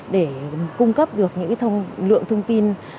để cung cấp được những cái lượng thông tin